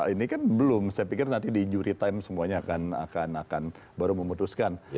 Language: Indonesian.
ini kan belum saya pikir nanti di injury time semuanya akan baru memutuskan